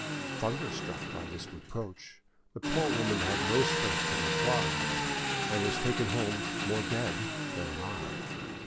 Thunderstruck by this reproach, the poor woman had no strength to reply, and was taken home more dead than alive.